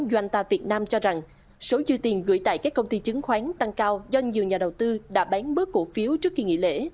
doanta việt nam cho rằng số dư tiền gửi tại các công ty chứng khoán tăng cao do nhiều nhà đầu tư đã bán bớt cổ phiếu trước kỳ nghỉ lễ